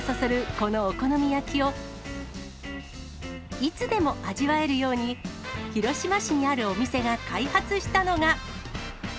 このお好み焼きを、いつでも味わえるように、広島市にあるお店が開発したのが。